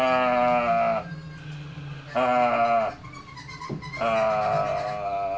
ああ。